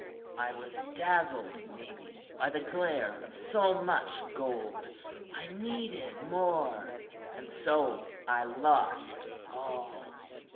I was dazzled, maybe, by the glare of so much gold. I needed more; and so I lost all.